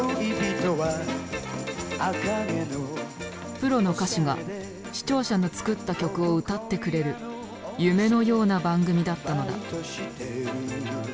プロの歌手が視聴者の作った曲を歌ってくれる夢のような番組だったのだ。